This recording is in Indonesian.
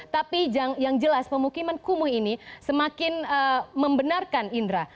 tapi yang jelas pemukiman kumuh ini semakin membenarkan indra